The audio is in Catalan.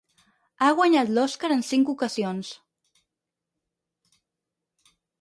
Ha guanyat l'Oscar en cinc ocasions.